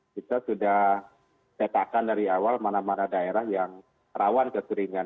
kita sudah petakan dari awal mana mana daerah yang rawan kekeringan